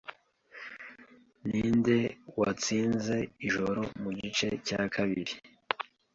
Ninde watsinze ijoro mugice cya kabiri